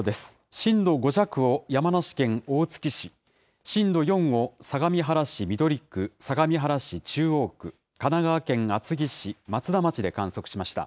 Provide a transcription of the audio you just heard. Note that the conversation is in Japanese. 震度５弱を山梨県大月市、震度４を相模原市緑区、相模原市中央区、神奈川県厚木市、松田町で観測しました。